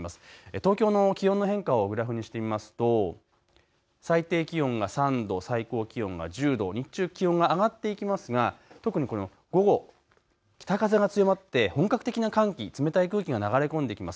東京の気温の変化をグラフにしてみますと最低気温が３度最高気温が１０度日中気温が上がっていきますが特に午後北風が強まって本格的な寒気、冷たい空気が流れ込んできます。